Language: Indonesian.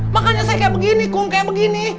makanya saya kayak begini kum kayak begini